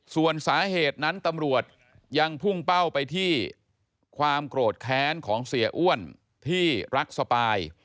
ส่วนสาเหตุนั้นตำรวจยังพุ่งเป้าไปที่ความโกรธแค้นของเสียอ้วนที่รักสปาย